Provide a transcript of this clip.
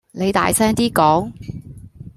你大聲啲講